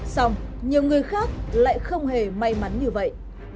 xong nhiều người khác lại không hề may mắn như vậy